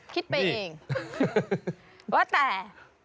คิดไปเองว่าแต่